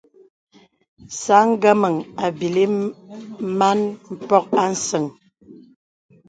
Sāŋ ngəməŋ àbīlí màn mpòk àsəŋ.